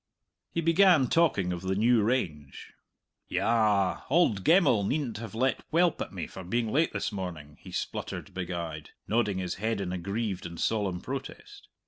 He began talking of the new range. "Yah! Auld Gemmell needn't have let welp at me for being late this morning," he spluttered big eyed, nodding his head in aggrieved and solemn protest.